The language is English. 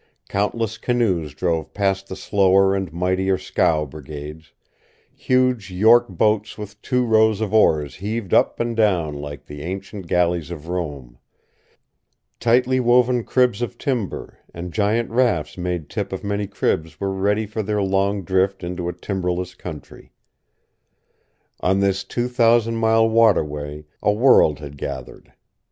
Countless canoes drove past the slower and mightier scow brigades; huge York boats with two rows of oars heaved up and down like the ancient galleys of Rome; tightly woven cribs of timber, and giant rafts made tip of many cribs were ready for their long drift into a timberless country. On this two thousand mile waterway a world had gathered.